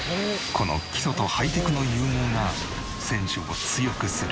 この基礎とハイテクの融合が選手を強くする。